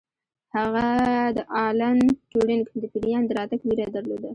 هغه د الن ټورینګ د پیریان د راتګ ویره درلوده